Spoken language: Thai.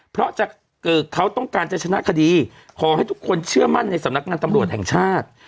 เพราะจะเกิดเขาต้องการจะชนะคดีขอให้ทุกคนเชื่อมั่นในสำนักงานตำรวจแห่งชาติ